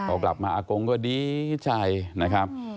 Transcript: พอกลับมาอากงก็ดีใจนะครับ